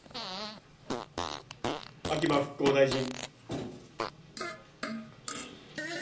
秋葉復興大臣。